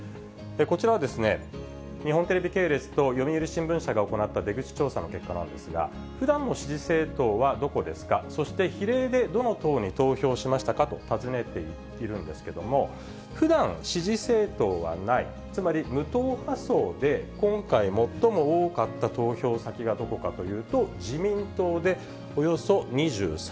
こちらは、日本テレビ系列と読売新聞社が行った出口調査の結果なんですが、ふだんの支持政党はどこですか、そして比例でどの党に投票しましたかと尋ねているんですけれども、ふだん支持政党はない、つまり無党派層で今回最も多かった投票先がどこかというと自民党